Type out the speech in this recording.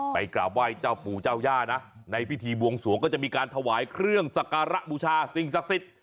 กราบไหว้เจ้าปู่เจ้าย่านะในพิธีบวงสวงก็จะมีการถวายเครื่องสักการะบูชาสิ่งศักดิ์สิทธิ์